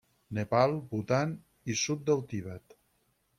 Nepal, Bhutan i sud del Tibet.